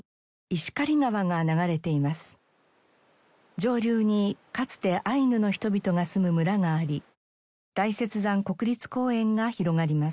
上流にかつてアイヌの人々が住む村があり大雪山国立公園が広がります。